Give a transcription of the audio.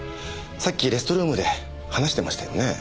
さっきレストルームで話してましたよね。